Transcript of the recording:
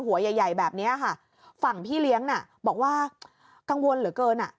หัวใหญ่ใหญ่แบบนี้ค่ะฝั่งพี่เลี้ยงน่ะบอกว่ากังวลเหลือเกินอ่ะ